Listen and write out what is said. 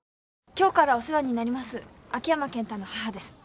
今日からお世話になります秋山健太の母です。